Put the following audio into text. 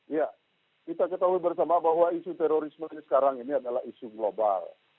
ya kita ketahui bersama bahwa isu terorisme ini sekarang ini adalah isu global